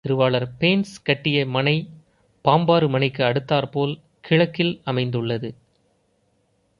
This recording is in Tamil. திருவாளர் பேன்ஸ் கட்டிய மனை பாம்பாறு மனைக்கு அடுத்தாற் போல், கிழக்கில் அமைந்துள்ளது.